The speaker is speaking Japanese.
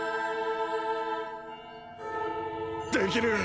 できる！